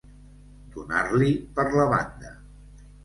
Donar-li per la banda.